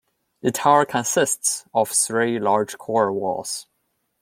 The tower consists of three large core walls.